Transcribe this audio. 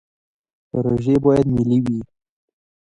پروژې باید ملي وي